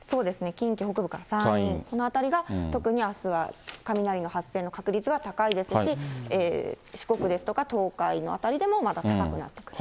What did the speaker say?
近畿北部から山陰、この辺りが特にあすは、雷の発生の確率が高いですし、四国ですとか、東海の辺りでも、また高くなってくる。